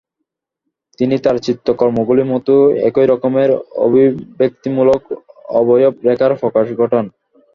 তিনি তাঁর চিত্রকর্মগুলির মতোই একই রকমের অভিব্যক্তিমূলক অবয়ব-রেখার প্রকাশ ঘটান।